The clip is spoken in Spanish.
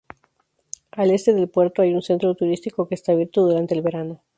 Al este del puerto, hay un centro turístico que está abierto durante el verano.